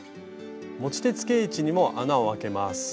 持ち手つけ位置にも穴をあけます。